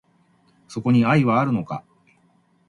そこに愛はあるのか